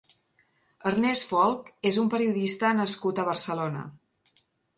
Ernest Folch és un periodista nascut a Barcelona.